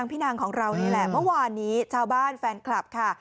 พี่นางของเรานี่แหละเมื่อวานนี้ชาวบ้านแฟนคลับค่ะ